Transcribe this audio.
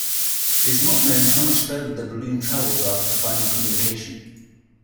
It is not known how much further the balloon traveled after the final communication.